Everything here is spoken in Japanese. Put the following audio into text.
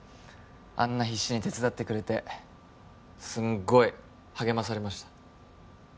あんな必死に手伝ってくれてすごい励まされました